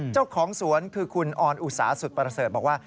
เจ้าของสวนคือคุณออนอุสาสุดประเสริฐบอกว่า